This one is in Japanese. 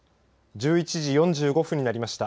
１１時４５分になりました。